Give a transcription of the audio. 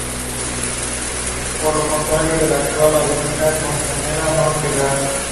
Sus novelas se ambientan en la vida cotidiana de Ghana.